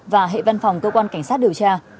và hệ văn phòng cơ quan cảnh sát điều tra